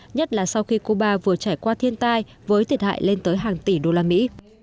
nhất là sau khi cuba vừa trải qua thiên tai với thiệt hại lên tới hàng tỷ đô la mỹ